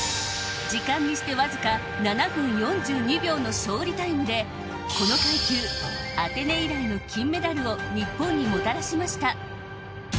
時間にしてわずか７分４２秒の尚里タイムでこの階級アテネ以来の金メダルを日本にもたらしました。